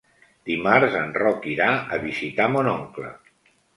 Dimarts en Roc irà a visitar mon oncle.